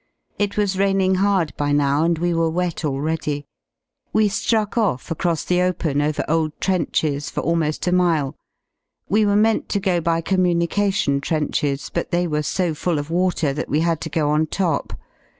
It was raining hard by now and we were wet already. We ^ruck off across the open over old trenches for almost 6 a mile. We were meant to go by communication trenches, but they were so full of water that we had to go on top.